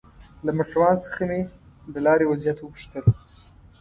له موټروان څخه مې د لارې وضعيت وپوښتل.